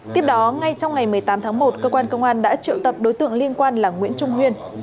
tiếp đó ngay trong ngày một mươi tám tháng một cơ quan công an đã triệu tập đối tượng liên quan là nguyễn trung huyên